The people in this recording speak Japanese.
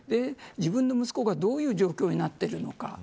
自分の息子がどういう状況になっているのか。